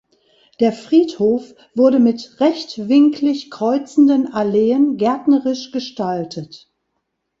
Der Friedhof wurde mit rechtwinklig kreuzenden Alleen gärtnerisch gestaltet.